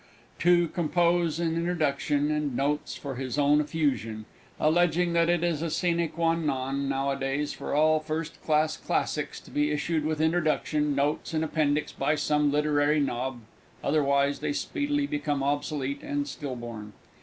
to compose an introduction and notes for his own effusion, alleging that it is a sine quâ non nowadays for all first class Classics to be issued with introduction, notes and appendix by some literary knob otherwise they speedily become obsolete and still born.